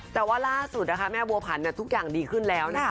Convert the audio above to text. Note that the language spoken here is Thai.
แต่ว่าล่าสุดนะคะแม่บัวผันทุกอย่างดีขึ้นแล้วนะคะ